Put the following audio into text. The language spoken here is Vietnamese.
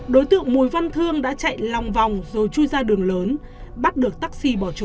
đối tượng mùi văn thương đã chạy lòng vòng rồi chui ra đường lớn bắt được taxi bỏ trốn